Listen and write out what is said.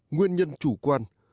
nguyên nhân chủ quan